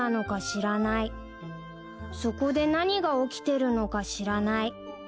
［そこで何が起きてるのか知らない］